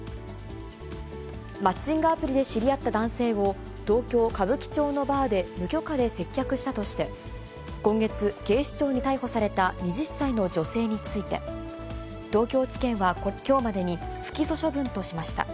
マッチングアプリで知り合った男性を東京・歌舞伎町のバーで無許可で接客したとして、今月、警視庁に逮捕された２０歳の女性について、東京地検はきょうまでに、不起訴処分としました。